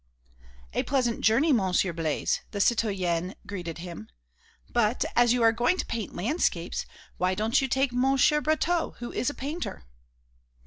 "A pleasant journey, Monsieur Blaise!" the citoyenne greeted him. "But, as you are going to paint landscapes, why don't you take Monsieur Brotteaux, who is a painter?"